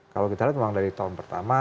kalau kita lihat memang dari tahun pertama